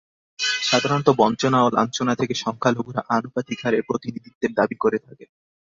সাধারণত বঞ্চনা ও লাঞ্ছনা থেকে সংখ্যালঘুরা আনুপাতিক হারে প্রতিনিধিত্বের দাবি করে থাকেন।